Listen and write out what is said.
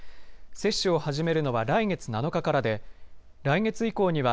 接種を始めるのは来月７日からで、来月以降には、